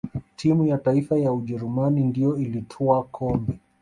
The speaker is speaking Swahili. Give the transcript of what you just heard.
timu ya taifa ya ujerumani ndiyo iliyotwaa kombe